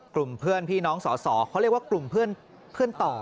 กลุ่มเพื่อนพี่น้องสอสอเขาเรียกว่ากลุ่มเพื่อนต่อ